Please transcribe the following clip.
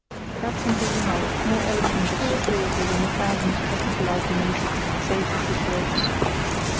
That simple remark, more eloquent of security than a thousand technical arguments, saved the situation.